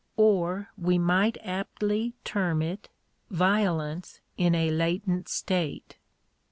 Or we might aptly term it — violence in a latent state.